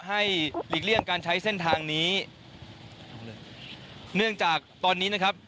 หลีกเลี่ยงการใช้เส้นทางนี้เนื่องจากตอนนี้นะครับ